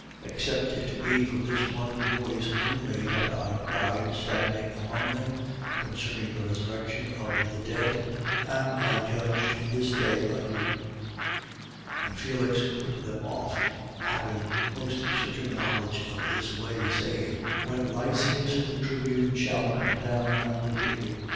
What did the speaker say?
Except it be for this one voice only that I cried, standing among them: Concerning the resurrection of the dead am I judged this day by you. 24:22. And Felix put them off, having most certain knowledge of this way, saying: When Lysias the tribune shall come down, I will hear you. 24:23.